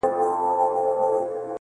نور د عصمت کوڅو ته مه وروله؛